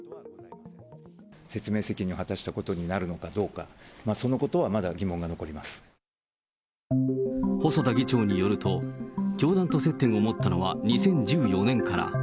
説明責任を果たしたことになるのかどうか、そのことはまだ疑細田議長によると、教団と接点を持ったのは２０１４年から。